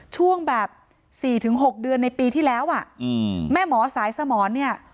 ช่วงแบบสี่ถึงหกเดือนในปีที่แล้วอ่ะอืมแม่หมอสายสมรเนี่ย